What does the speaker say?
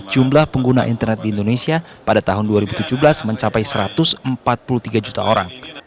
jumlah pengguna internet di indonesia pada tahun dua ribu tujuh belas mencapai satu ratus empat puluh tiga juta orang